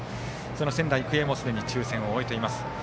その仙台育英も抽選を終えています。